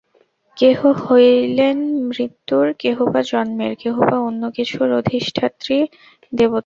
কেহ হইলেন মৃত্যুর, কেহ বা জন্মের, কেহ বা অন্যকিছুর অধিষ্ঠাত্রী দেবতা।